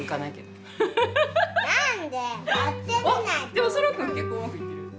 でもそらくん結構うまくいってる。